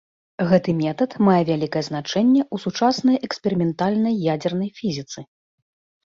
Гэты метад мае вялікае значэнне ў сучаснай эксперыментальнай ядзернай фізіцы.